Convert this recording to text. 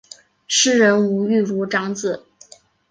诗人吴玉如长子。